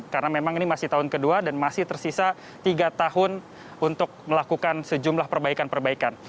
karena memang ini masih tahun kedua dan masih tersisa tiga tahun untuk melakukan sejumlah perbaikan perbaikan